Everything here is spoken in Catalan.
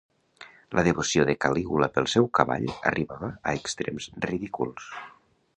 La devoció de Calígula pel seu cavall arribava a extrems ridículs.